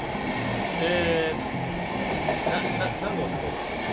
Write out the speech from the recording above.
えっと何合炊こうか。